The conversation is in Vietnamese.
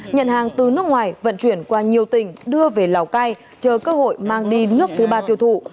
nhận hàng từ nước ngoài vận chuyển qua nhiều tỉnh đưa về lào cai chờ cơ hội mang đi nước thứ ba tiêu thụ